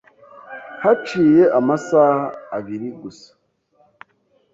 Haciye amasaha abiri gusa